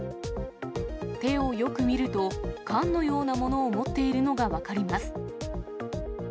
手をよく見ると、缶のようなものを持っているのが分かります。